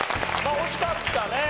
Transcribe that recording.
惜しかったですね。